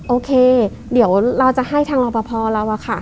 โอเคเดี๋ยวเราจะให้ทางรอปภเราอะค่ะ